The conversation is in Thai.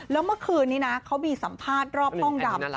แล้วเมื่อคืนนี้นะเขามีสัมภาษณ์รอบห้องดำ